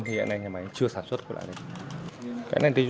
thì hiện nay nhà máy chưa sản xuất